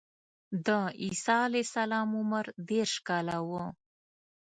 د عیسی علیه السلام عمر دېرش کاله و.